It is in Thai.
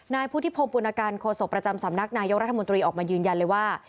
นายพุทธิพงศ์ปุณการโฆษกประจำสำนักนายกรัฐมนตรีออกมายืนยันเลยว่า